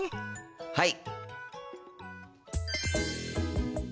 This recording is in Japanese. はい！